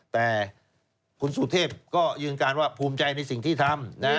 แต่คุณสุเทพก็ยืนการว่าภูมิใจในสิ่งที่ทำ